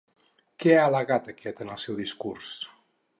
Què ha al·legat aquest en el seu discurs?